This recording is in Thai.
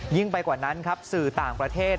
ไปกว่านั้นครับสื่อต่างประเทศ